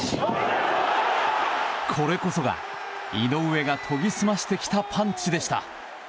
これこそが井上が研ぎ澄ましてきたパンチでした。